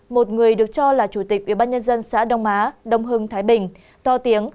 một người được cho là chủ tịch ubnd xã đông á đông hưng thái bình to tiếng